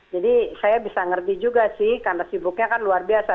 jadi saya bisa mengerti juga sih karena sibuknya kan luar biasa